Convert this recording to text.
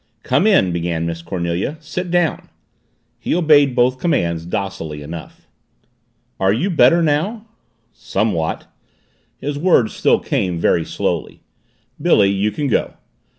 "Come in," began Miss Cornelia. "Sit down." He obeyed both commands docilely enough. "Are you better now?" "Somewhat." His words still came very slowly. "Billy you can go."